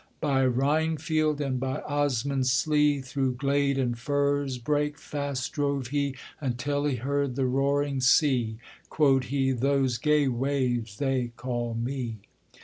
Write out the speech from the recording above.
By Rhinefield and by Osmondsleigh, Through glade and furze brake fast drove he, Until he heard the roaring sea; Quod he, 'Those gay waves they call me.'